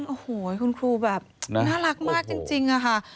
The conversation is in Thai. โอ้โหคุณครูแบบน่ารักมากจริงค่ะ